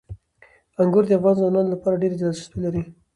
انګور د افغان ځوانانو لپاره ډېره دلچسپي لري.